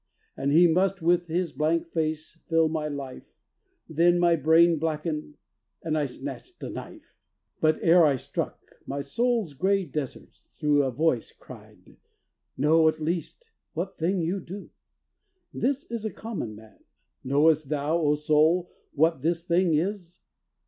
And he must with his blank face fill my life Then my brain blackened; and I snatched a knife. But ere I struck, my soul's grey deserts through A voice cried, 'Know at least what thing you do.' 'This is a common man: knowest thou, O soul, What this thing is?